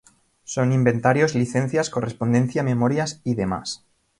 Son inventarios, licencias, correspondencia, memorias y demás.